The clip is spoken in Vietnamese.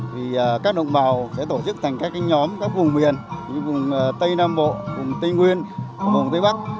thì các đồng bào sẽ tổ chức thành các nhóm các vùng miền như vùng tây nam bộ vùng tây nguyên vùng tây bắc